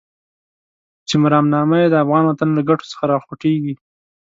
چې مرامنامه يې د افغان وطن له ګټو څخه راوخوټېږي.